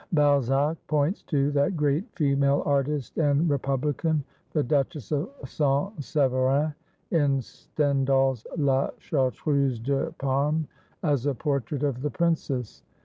Balzac points to that great female artist and republican, the Duchess of San Severins, in Stendhal's "La Chartreuse de Parme," as a portrait of the princess.